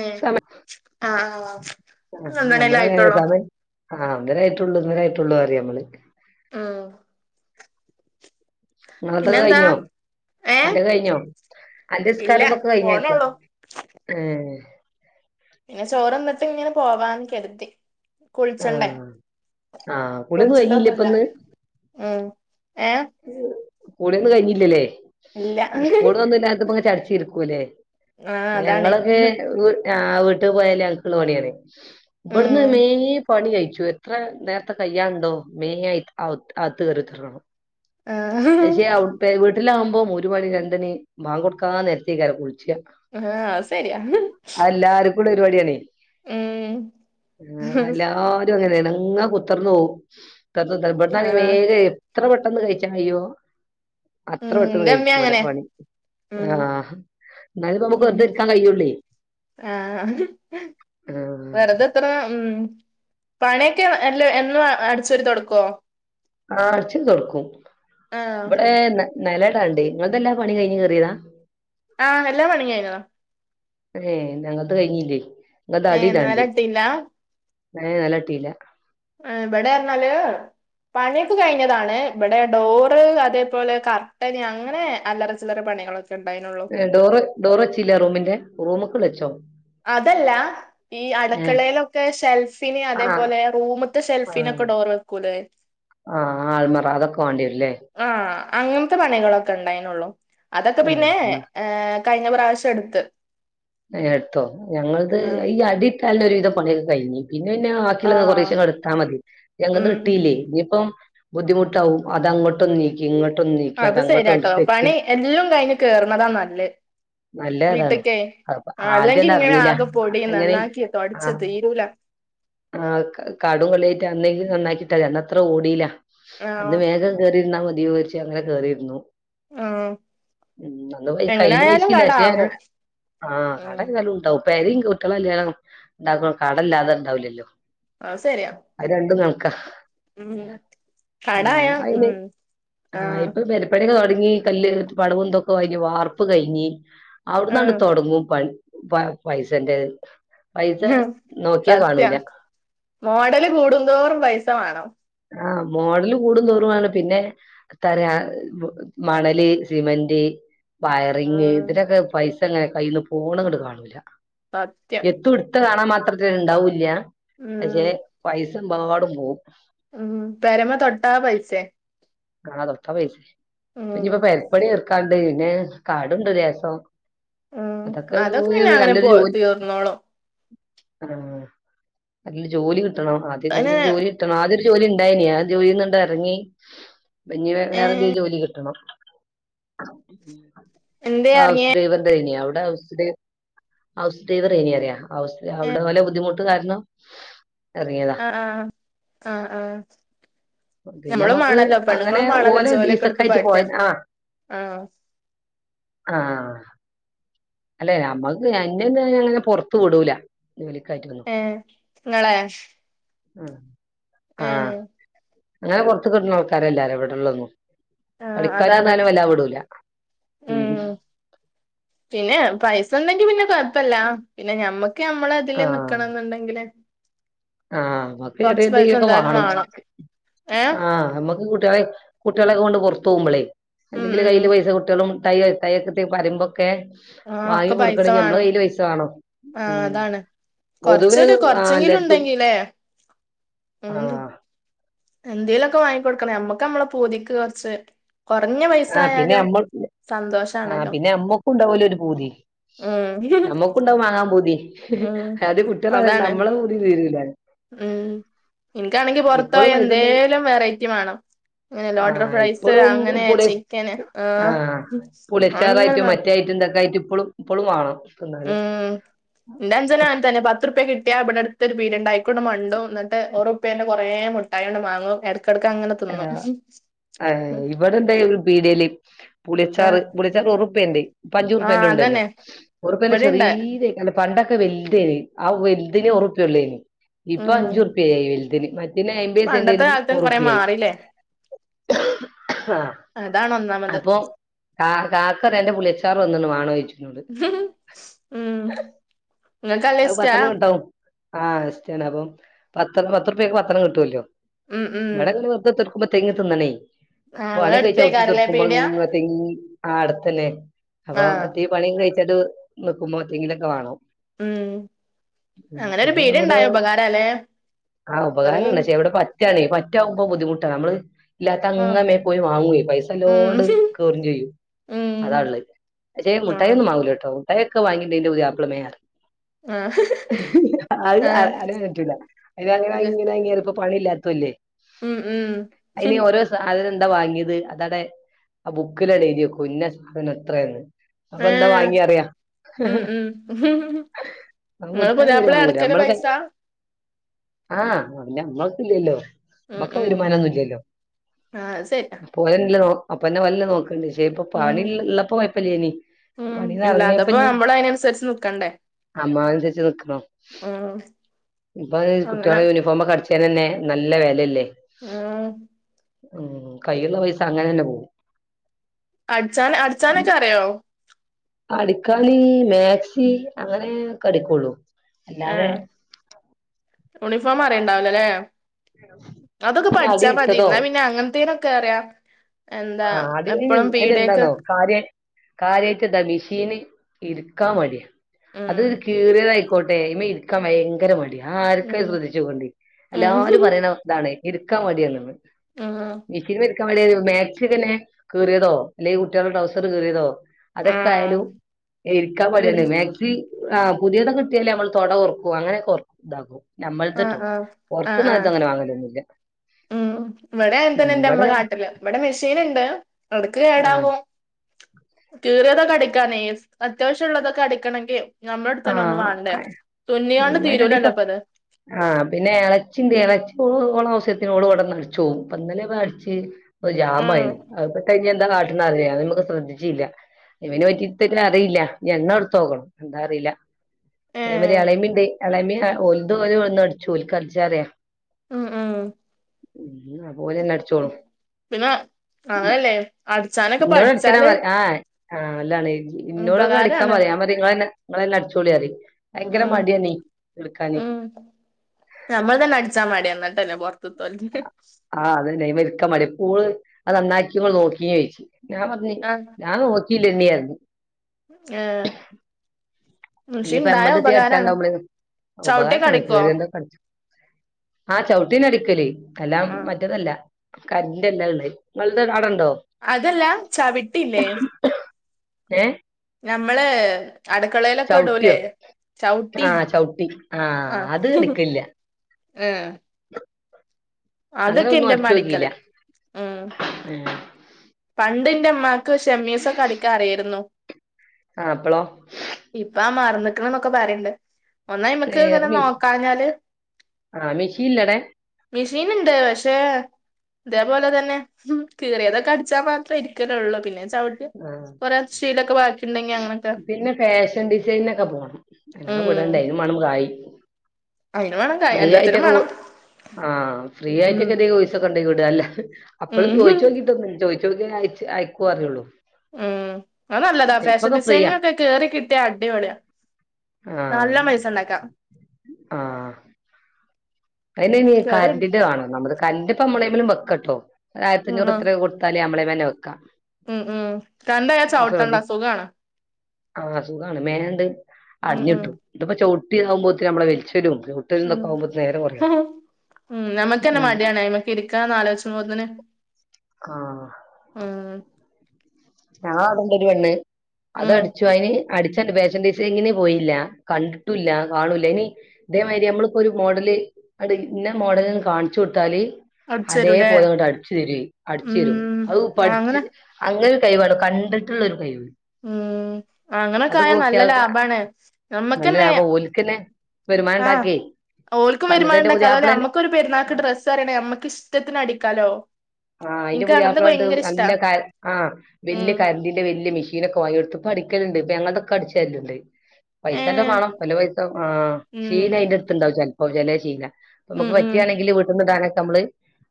ഉം സമ ആഹ് ആഹ് ആ രണ്ടെണ്ണല്ലേ നമ്മളങ്ങ ആയിട്ടുള്ളൂ സമയം ആ ഒന്നേരായിട്ടുള്ളു ഒന്നേരായിട്ടുള്ളു പറിയാം നമ്മള് ആ അതൊക്കെ കഴിഞ്ഞോ അത ഏഹ് കഴിഞ്ഞോ അന്റെ നി ഇല്ല സ്കാരന്നൊക്കെ കഴിഞ്ഞോക്ക പോണൊള്ളൂ പിന്നെ ചോറ്ന്നിട്ട് ഇങ്ങനെ പോവാൻ കരുതി കുളിച്ചണ്ടേ ആഹ് ആഹ് കുളിയൊന്നും കഴിഞ്ഞില്ല കുളിച്ചിട്ടൊന്നുമില്ല ഇപ്പന്ന് ഉ ഏ ആ കുളിയോന്നും കഴിഞ്ഞില്ലല്ലേ സ്കൂളൊന്നുംല്ലാത്ത ചടിച്ചിരിക്കൂല്ലേ ആഹ് അതാണ് ഞങ്ങളൊക്കെ ഒരു ആ വീട്ടിൽ പോയാല അക്കള് പണിയണേ ഇവിടുന്ന് ഉം മെയിൻ പണി കഴിക്കും എത്ര നേരത്തെ കയ്യുണ്ടോ മെ ആയി അത്ത് കരുത്തിറക്കണം ആഹ് പക്ഷെ വീട്ടിലാവുമ്പോ ഒരു മണി രണ്ടണി ബാങ്ക് കൊടുക്കാ നേരതെ ക്കാരൻ കുളി ആ അയ് ശരി എളുപ്പം പരിപാടിയാണ് ആ എല്ലാരും അങ്ങനെ തന്നെ ങ്ങനേ കുത്തിർന്നു പോവും കുത്തർന്ന് കുത്തർന്ന് ഇവിടുന്ന് ആണെങ്കിൽ ആഹ് വേഗ എത്ര പെട്ടെന്ന് കഴിച്ചാ കയ്യോ അത്ര ഉം പെട്ടെന്ന് കഴിച്ചു ഇന്റെമ്മീം ഇവിടെ അങ്ങനെ പണി ആ ഉം എന്നാലപ്പോ നമ്മക്ക് വെറുതരിക്കാൻ കഴിയുള്ളേ ആ ആഹ് വെറുതെ കുത്തർന്ന ഉം പണിയൊക്കെ എല്ല എന്നും അടിച്ചു വാരി തുടകോ ആ അടിച്ചെരി തുടക്കം ആഹ് ഇവിടെ നിലടാണ്ട് നിങ്ങതെല്ലാ പണി കഴിഞ്ഞ് കയറിയതാ ആ എല്ലാം എല്ലാ പണിം കഴിഞ്ഞതാ ഏ ഞങ്ങത് കഴിഞ്ഞില്ലേ ഏ നേലം ഇട്ടിയില്ല ഏ നിലം ഇട്ടിയില്ല ആ ഇബടെ പറഞ്ഞാല് പണിയൊക്കെ കഴിഞ്ഞതാണ് ഇവടെ ഡോറ് അതേ പോലെ കർട്ടന് അങ്ങനെ അല്ലറാ ചില്ലറാ പണികളൊ ഡോറ് ഡോറ് വെച്ചില്ലാ റൂമിന്റെ റൂമൊക്കെ വെച്ചോ അതല്ലാ ഈ ഏഹ് അടക്കളയിലൊക്കെ ഷെൽഫിന് ആഹ് അതേപോലെ റൂമത്തെ ഷെൽഫി ഡോറ് വെക്കൂല്ലോ ആ ആൾമറാ അതൊക്കെ വാ ണ്ടിരുല്ലോ ആ അങ്ങനത്തെ പണികളൊക്കെ ഒണ്ടായ്നെള്ളൂ അതൊക്കെ ആഹ് പിന്നെ ന്നാ ആ കഴിഞ്ഞ പ്രാവശ്യം എട്ത്ത് എട്ത്തോ ഞങ്ങളത് ഈ അടിട്ടാല് ഒര് വിധം പണിയൊക്കെ കഴിഞ്ഞ് പിന്നെ പിന്നെ ആ വാക്കിയെള്ളാ കൊറേശേ എട്ത്താ മതി ഞങ്ങന്ന് ഉം കിട്ടില്ലേ ഇനിയിപ്പം ബുദ്ധിമൊട്ടാവും അത് അങ്ങോട്ടൊന്ന് നീക്കി ഇങ്ങോ അങ്ങട്ടും നീക്കി അത് ശരിയാട്ടോ [unintelligible] പണി എല്ലാം കഴിഞ്ഞ് കേറുന്നതാ നല്ലെ നല്ല അതാണ് വീട്ടക്കേ അപ്പം ആ ആദ്യം അല്ലെങ്കി അത് ഇങ്ങനെ അറിഞ്ഞില്ല ആകെ പൊടി അങ്ങനേ നന്നാക്കി ആാ തൊടച്ച് തീരൂല ആ കാടും [unintelligible] അന്നെങ്കി നന്നായിട്ടാ മതി അന്ന് അത്ര ഓടില്ലാ ആ അന്ന് വേഗം കേയറിയിര്ന്നാ മതിയെന്ന് വെച്ച് അങ്ങനെ കേറിര്ന്നു ആാ ഉം അന്ന് കയ്യില് പൈസില്ലാ പശെ ആകും ആാ ഉം കാടോം എന്നാലും ഒണ്ടാവും പേരേയും കൂട്ടികളടേ കല്ലിയാണോ [unintelligible] കടം ഇല്ലാതൊണ്ടാവുല്ല്യാ അത് ശെരിയാ ഉം ആയ്ന് ആഹ് ഇപ്പം പെരപ്പാളിയോ [unintelligible] വാർപ്പ് കഴിഞ്ഞ് അവടന്നാണ്ട് ഉം തൊടാങ്ങും പ പ പൈസെന്റെ പൈസ നോക്കിയാ സത്യം കാണൂല്ലാ മോഡല് കൂടുന്തോറും പൈസാ വേണം ആാ മോഡല് കൂടുതോറും ആണ് പിന്നെ തര മണല്, സിമന്റ് വയറിങ് ആഹ് ഇതിനലൊക്കെ പൈസാ ഇങ്ങനെ കയ്യിന്ന് പോണൊങ്ങട്ട് കാണൂല്ലാ സത്യം [unintelligible] പശെ ഉം പൈസാ പാട് പോം ഉം പെരാമ തൊട്ടാ പൈസായാ പിന്നെ ഇപ്പം പെരപ്പണി നിർ കണ്ട് പിന്നെ കാടുണ്ട് രെസം ഉം അതൊക്കെ പിന്നെ [unintelligible] അങ്ങനെ നല്ലൊരു പോ ജോലി തീർന്നോളും ആ നല്ലൊര് ജോലി കിട്ടണം ആദ്യം അങ്ങനെ നല്ലൊരു ജോലി കിട്ടണം ആദ്യ ഒര് ജോ ജോലി ഒണ്ടായനിയോ ജോലിന്ന് എറങ്ങി [unintelligible] വേറെന്താങ്കിലും ഏഹ് ജോലി കിട്ടണം ആാ [unintelligible] എന്തേ അവ് എറങ്ങിയേ [unintelligible] ഹൗസ് ഡ്രൈവെറേനി ഏഹ് ഇവടെ ബുദ്ധിമു കാരണം ഇറങ്ങിയതാ ആാ ആാ ആാ ആാ പിന്നെ നമ്മളും നമുക്ക് വേണല്ലോ അങ്ങനെ പെണ്ണുങ്ങളും വേണല്ലോ ഓലെ ജോലിയൊക്കെ വിസക്കായിട്ട് എട്ത്ത് [unintelligible] ആാ ആാ അല്ലെ നമ്മക്ക് എന്നെയോന്നും അയ്ന് അങ്ങനാ പൊറത്ത് വിടൂല്ലാ യെ നിങ്ങാളെ ആാ അങ്ങനെ കൊറച്ച് കിട്ടാണം ആൾക്കാരല്ലോരില്ലാരും ഇവടെ ഒള്ളു ആഹ് അതാണ് പഠിക്കാനന്നാലും വെല്ലാ വിടൂല്ലാ ഉം പിന്നെ പൈസ ഉണ്ടെങ്കി പിന്നെ കൊഴ്പ്പാല്ലേ പിന്നെ ഞമ്മക്ക് നമ്മള് അതില് നിക്കണം എന്നേണ്ടെങ്കില് ആാ നമ്മക്ക് [unintelligible] എന്തായാലും വാങ്ങാണം വേണം ഏ ആാ നമ്മക്ക് കു കുട്ടികളെ കുട്ടികളൊക്കെ കൊണ്ട് പൊറത്ത് പോമ്പോളേ ഉം എന്തെങ്കിലും ഉം കയ്യില് പൈസ കുട്ടിളോം [unintelligible] ആ വാങ്ങി ഒക്കെ പൈസ കൊടുക്ക്ണെങ്കി നമ്മളെ വേണം കയ്യില് പൈസാ വേണം ആ ഉം അതാണ് പൊതുവേ ആാ എല്ലാർക്കും ഉണ്ട് ആഹ് എന്തേലൊക്കെ വാങ്ങിക്കൊടുക്കണ നമ്മക്ക് നമ്മളെ പതിക്ക് കുറച്ച് കുറഞ്ഞ പൈസ ആായാലും ആഹ പിന്നെ അമ്മക്കും ഉണ്ടാവുംല്ലോ ഒരു പൂതി ഉം അമ്മക്ക ഉണ്ടാവും വാങ്ങാൻ പൂതി ഉം അത് കുട്ടികള അണ്ട് അതാണ് നമ്മള കതി തീരല്ല ഉം എനിക്കാണെങ്കി പുൊറത്ത ഇപ്പളും പോയ പൈസണ്ടെങ്കി എന്തേലും വെറൈറ്റി വേണം അങ്ങനെ ലോഡർ് ആഹ് സ് ഇപ്പളും പുളി അങ്ങനെയാച്ച െ ആഹ ആഹ് അങ്ങനെ പുളിയച്ചാറായിട്ടും മാ മറ്റേ ആയിട്ടും ഇതൊക്കെ ആട്ട് ഇപ്പോഴും ഇപ്പോഴും കാണണം ഉം എഞ്ചന തന്നെ പത്ത്പ്യ കിട്ട ത്തിയാ ഇവിടെ അടുത്തൊരു പീടിയോണ്ടായി അയാക്കുട് മണ്ടും ന്നിട്ട് ഒര്റുപ്പേന്റെ കൊറേ മുട്ടായി അങ്ങട് വാങ്ങും എടു അങ്ങനെ തിന്നും ആ ഇവിടൊണ്ട് ഒരു പീടികേല് പുളിയച്ചാറ് ആഹ് പുളിയച്ചാറിന് ഒറുപ്യയുണ്ടെ ഇപ്പ ആഹ് അഞ്ചുറുപ്യെന്റെ ഉണ്ടല്ലോ അതന്നെ ഒറുപ്യെന്റെ ഇവിടെണ്ട് ചെറീതെ പണ്ടൊക്കെ വലുതേന് ആ വലുതിന് ഉറുപ്യെ ഉള്ളേന് ഇപ്പൊ ഉം അഞ്ചുറുപ്യായി വലുതിന് മറ്റ പിന്നെ അയിന്റേം പണ്ടത്തെ സെന്റിന് കാലത്തും കൊറേ ഒറുപ്പിയായി ആഹ് അതാണൊന്നാമത് അപ്പൊ കാ കാക്കറെന്റെ പുളിയാച്ചാറ് വന്നൊന്ന് വണോദിച്ചുംകൊണ്ട് ങ്ങക്ക് നല്ലേശ്റ്റാ ആഹ് ഇഷ്റ്റാണ് അപ്പം പത്തെ പത്തുറുപ്യക്ക് പത്തെണ്ണം കിട്ടുവല്ലോ ഉം ഉം ഇവിടങ്ങനെ ആഹ് ഇങ്ങളെ അടുത്തേക്കാരല്ലേ പീടിയ [unintelligible] [unintelligible] ആ അടുത്തല്ലെ അപ്പൊ ആഹ് ഇത്തീ പണിയും കഴിച്ചിട്ട് നിക്കുമ്പോ എന്തെങ്കിലോക്കെ വേണം ഉം ഉം അങ്ങനെ ഒരു പിന്നെ പീടിയ നിങ്ങളിവിടെ ഇണ്ടായ ഉപകാരാല്ലേ ആ ഉപകാരല്ല അല്ലെങ്കി ക്ഷെ ഇവിടെ പ ക്കിയാലേ പറ്റാവുമ്പൊ ബുദ്ധിമുട്ടാ ഞമ്മള് ഇല്ലാത്ത ആഹ് [unintelligible] പോയി വാങ്ങുവേ പൈസല്ലോണ്ട് ഉം കേറീം ചെയ്യും ഉം അതാ ഉള്ളെ പക്ഷെ മുട്ടായി ആഹ് ഒന്നും വാങ്ങൂല്ല കേട്ടോ മുട്ടായി ഒക്കെ വാങ്ങിമ്പം ന്റെ ഉതിയാക്ല മേയാറ് ആഹ് അത് അ ആഹ് അതൊന്നും പറ്റൂല്ല അത് ഇങ്ങനായി ഇത് അങ്ങനായി അങ്ങേരിപ്പം ഇപ്പൊ അവളില്ലാത്തുവല്ലെ ഉം ഉം അയിന് ഓരോ സാധനം വിടെ വാങ്ങിയത് അതടെ ആ ബുക്കിലടെ എഴുതി വയ്ക്കും ഇന്ന സാധനം ഇത്രയാന്ന് അപ്പൊ എന്താ ഏഹ് വാങ്ങിയ അറിയാം ഉം ഉം ഇങ്ങളെ മുട്ടായി പുതിയാപ്ല തരുവാങ്ങൂല അടക്കല് നമ്മള കൈ പൈസ ആഹ് വ്ല അമ്മാക്ക് ഇല്ലല്ലോ ഉം ഇവൾക്ക് ഉം വരുമാനോന്നും ഇല്ലല്ലോ ആഹ് അത് ശരിയാ [unintelligible] നോക്കേണ്ടി വരും ദേ ഇപ്പ ഉം പണി ഇള്ളപ്പോ കുഴപ്പ ഇല്ലേന് ഉം പണി ഇല്ലാത്തപ്പോ കുറഞ്ഞപ്പയിനി നമ്മള് അയിനനുസരിച്ച് നിക്കണ്ടേ അമ്മതനുസരിച്ച് നിക്കണോ ഉം ഇപ്പൊ അങ്ങനെ കുട്ടികളെ യൂണിഫോമൊക്കെ അടിച് ച്ചാൽ തന്നെ നല്ല വിലയല്ലേ ആഹ് ഉം കൈയൂള്ള പൈസ അങ്ങനെ തന്നെ പോവും അടിച്ചാൻ അടിച്ചാനൊക്കെ അറിയോ അടിക്കാന് മാക്സി അങ്ങനേ ക്ക അടിയ്ക്കൂള്ളു ആ യൂണിഫോം അറിയണ്ടാവലല്ലേ അതൊക്കെ ഒന്ന് അടി പഠിച്ചാ വിട്ടതോ മതിന്നാ പിന്നെ അങ്ങനത്തേനൊക്കെ അറിയ ആഹ് [unintelligible] എന്താന്നോ കാര്യേ കാര്യായിട്ടെന്താ മെഷീന് എടുക്കാൻ മടിയാ അത് ഉം കീറിയതായി ക്കോട്ടെ [unintelligible] എടുക്കാൻ ഭയങ്കര മടിയാ ഉം ആർക്കും ശ്രദ്ധിച്ചു പോണ്ടെ ഉം എല്ലാരും പറയണ ഇതാണെ എടുക്കാൻ മടിയാണെന്ന് ആഹ് മെഷീൻ എടുക്കാൻ [unintelligible] [unintelligible] കീറിയതോ അല്ലെങ്കിൽ കുട്ടികളുടെ ഡ്രൗസർ കീറിയതോ അതൊക്കെ ആയാലും ആഹ് ഇരിക്കാൻ മടിയല്ല മാക്സി ആഹ് പുതിയത് കിട്ടിയാലേ നമ്മള് തൊട ഒറക്കു അങ്ങനൊക്കെ ഇതാകും ആഹ് നമ്മൾതിട്ടോ ആഹ് ആഹ് പുറത്തുന്ന് ആഹ് അതങ്ങനെ വാങ്ങലൊന്നുമില്ല ഉം ഇവിടേം ഉണ്ട് [unintelligible] എന്റെമ്മ നാട്ടില് ഇവിടെ മെഷീനുണ്ട് എടക്ക് ആ കേടാവോ [unintelligible] അത്യാവശ്യമുള്ളതൊക്കെ അടക്കണോങ്കി ആഹ് എങ്ങരുണ്ടിപ്പ തീരൂലല്ലോ ഇപ്പത് ആഹ് പിന്നെ ഇളച്ചിന്റെ ഇളച്ചി [unintelligible] [unintelligible] കൊണ്ടോന്ന് അടിച്ച് പോവും അപ്പ ഇന്നലെ ഒക്കെ അടിച്ച് പ്പ ഉം ജാമായി അതൊക്കെ കഴിഞ്ഞ് [unintelligible] അറിയ നമുക്ക് ശ്രദ്ധിച്ചില്ല ഇവന് പറ്റി [unintelligible] അറിയില്ല എണ്ണ കൊടുത്ത് നോക്കണം ന്താ അറിയില്ല ഏഹ് [unintelligible] അല്ല്മ ഒലുതോല ഒന്ന അടിച്ചുോലിക്കടിച്ചറിയാ ഉ ഉ ഉ അതുപലെന്നെ അടിച്ചോളും പിന്നെ അങ്ങനല്ലേ അടിച്ചാനൊക്കെ ഇോടെ എ പഠിച്ചാല് തരാമാ ആഹ് ആഹ് അല്ല ഇന്നോട്ൊ അടിക്കാൻ മ ഉപകാരാണ് പറയാ മതിങ്ങളന്നെ നിങ്ങളന്നെ അടിച്ചുൊളാറി ഉ ഉ നമ്മൾ തന്നെ അടിച്ചാ മട എന്നിട്ട്ന്നെ പറത്ത് തിക്ക ആ് അതന്നെയ വക്കാ മടിപ്പൂള് അത് നന്നാക്കിയമ്മോൾ നോക്കിയ ചയിച്ചു ഞാ പ ഞാനും വക്കീല എണ്ിയർരുന്നു ആഹ ഇനിയിപ്പോ എമ്മതി അടച്ചാണ്ടാവളി ഉപകാരം ചവിട്ടിയൊക്കെ കണ അടിക്കോ കേയറി എന്ത ആഹ ചവിട്ടി നടി എല്ലാം ആഹ് മറ്റതല്ല കല്ലാംള്ള അതെല്ലാം ചവിട്ടല്ലേ ഏ നമ്മള് അട കളലൊക്കെ ചവിട്ടിയോ ഇടല്ലേ ചവിട്ടി ആഹ് ചവിട്ടി ആ ആഹ് അത് അടിക്കലില്ല ആഏ അങ്ങനെ ഒന്നും അതക്കിന്റെെ മിക്കല അടിച്ചോക്കിയില്ല ഉം ഏഹ് എന്റെ അമമാക്ക് ഷെമീസ ഒക്കെ അടിക്കാ അറിയായിരുന്നു ആ അപ്പളോ ഇപ്പ ആ മാറ നിിക്കണന്നൊക്കെ പറയണ്ട് ഒന്നാ ഇമക്ക് ഏഹ് ഇങ്ങനെ മി നോക്കാഞ്ഞാല് ആഹ് മിഷീൻല്ലടെ മെഷീൻണ്ട് പക്ഷേ അതേപോലെ തന്നെ കീറിയതൊക്കെ അടിച്ചാൽ മാത്രേ ഇരിക്കലള്ളൂ പിന്നെ ട്ട് ആഹ് കൊറെേ സ്ീലൊക്കെ ബാക്കി ഉണ്ടെങ്കി അങ്ങനെയൊക്കെ ഡിസൈനൊക്കെ പോണം അതിനൊക്കെ ഉം വിടേണ്ട അന് മണം കായ അയിന് വേണം കൈ ഫ്രീ എല്ലത്തിനും ആയിട്ടൊക്കെ വേണം ആ ഫ്രീ ഉം ആയിട്ടക്കെ എസക്കെ ടല്ല അപ്പോഴും ഉം ചോദു നോക്കിട്ടൊന്നന്ന് ചോദിച്ചു നോക്കി അ അയക്ക അറിയുള്ളൂ ഉം അ നല്ലതാ ഫാഷൻ ഫ്രീയാ ഡിസൈനിങ് ഒക്കെ കേറി കിട്ടിയ അടിപളയാ നല്ല പയസുണ്ടാക്കാ ആഹ ഉം പിെ കേറി വരും. കല്ലന്റെ വേണോ നമ്മള് കല്ലപ്പ മമ്മളലും വെക്കട്ടോ ആയിരത്തി ഉം അഞ്ഞൂറ് ആഹ് എത്ര കൊടുത്താലല് നമ്മളെവനെ വെക്കാം ഉം ഉം രണ്ടയാച്ചവിട്ടണ്ട ശ്രദ്ധി അസുഖാണ് ആഹ് സുഖമാണ് മേണ്ട ഉം ഉം അടിഞ്ഞിട്ടു ഇപ്പ ചവിട്ടി ആാവുമ്പോ ഒത്തി നമ്മളെ വലിച്ചു ഉം ട്ടിൽന്നക്കെ ആകുമ്പ നേരം കുറയാ ഉം നമ്മക്ക്ന്നെ മടിയാണ് ്മക്ക് ഇരിക്ക നാല വച്ച മുന്നെ ആഹ് ഉം ഞൻ അടണ്ട ഒരു വെണ്ണ് അത് ഉം അടിച്ചു അതിന് അട പ പങ്ങനെ പോയില്ല കണ്ടിട്ടില്ല കാണൂില്ല ഇനി ഇതേമാതിരി നമ്മളിപ്പോൊ ഒരു മോഡല് അത് ഇന്ന മോഡലന്ന് കാണിച്ചു കൊട്ടാലേ അടിച്ചേരൂലേ അതേപോലെ അങ്ങോട്ട അടിച്ചു തര അടിച്ചു തരും ഉം അത്പ്പ ആ അടിച്ച് അങ്ങനെ അങ്ങ കൈിട കണ്ടിട്ടുള്ളൊരു കൈിവാണ് ഉം അങ്ങനൊക്കെ ആയാൽ നല്ല ലാഭാണ് നല്ല നമ്മക്കെന്നെ ലാഭം ഓൽക്കന്നെ വരുമാനം ഉണ്ടാക്കി ഓർക്കും എന്നിട്ട് അതിന്റെ വരുമാനംണ്ടാക്കാം അതുപോലെ പുതിയാപ്ലൻ നമ്മുക്ക ഒരു പെരുന്നാൾക്ക് ഡ്രസ്സ് അറണേ അമ്മക്കക്ക് ഇഷ്ടത്തിന് അടിക്കാലോ ആഹ് അതിന്റെ ഇൻക്ക് അങ്ങനത്തൊക്കെ പുതിയ് ഭയങ്കര ഇഷ്ടാ നല്ല ആ് വല്യ ഉം കന്ന്റെ വല് മെഷൻൊക്കെ വയോടുപ്പ അടിക്കലണ്ട്പ്പ ഞങ്ങളൊക്കെ അടിച്ചാലുണ്ട് പൈസ എല്ലാം ഏഹ് വേണം പല പൈസ ആ ഉം ശീല അയിന്റെ അടുത്ത്ണ്ടാവും ചിലപ്പോ ചില ശീല ഉം നമുക്ക് ഉം പറ്റാണെങ്കില് വീട്ടന്ന്ടാനൊക്കെ നമ്മള്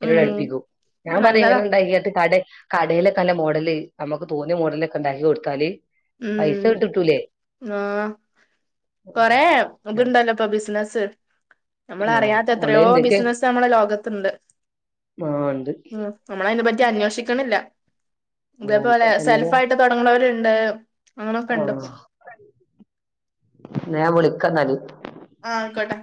അതിനോട് ഉം അടുപ്പിക്കും ഞാൻ പറിൽ നല്ലതാ ഇങ്ങനെ ഇണ്ടാക്കീട്ട് ടെ കടേലൊക്കല്ല മോഡല് നമുക്ക് തോന്ന്യെ മോഡലൊക്കെ ഇണ്ടാക്ക്യൊടുത്താല് പൈസ കിട്ടിട്ടൂ ആ കൊറെ ഉം. തിണ്ടല്ലപ്പൊ ബിസിനസ് നമ്മള ആ അറിയാത്ത എത്രയോ ഓൺലൈൻ ഉണ്ട് പക്ഷേ ബിസിനസ്സ് നമ്മള ലോകത്തിണ്ട് ആ ഉണ്ട് ഉ നമ്മള അതിനെ പറ്റി അന്വേഷി ക്ക്ണില്ല ആ ഇതേപലെ ആയിക്കോട്ടെ എന്നാല് സെൽഫ ആയിട്ട് തുടങ്ങുന്നവരുണ്ട് ആ ഞാൻ വിളിക്കന്നാല് ആഹെ കോട്ടെ